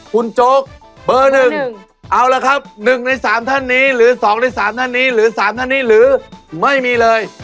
คุณโจ๊กเบอร์๑เอาละครับ๑ใน๓ท่านนี้หรือ๒ใน๓ท่านนี้หรือ๓ท่านนี้หรือไม่มีเลย